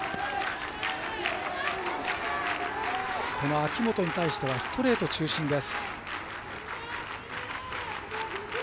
秋元に対してはストレート中心です。